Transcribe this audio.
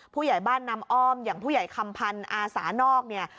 ผู้ใหญ่บ้านนำอ้อมอย่างผู้ใหญ่คำพันธ์อาสานอกเนี่ย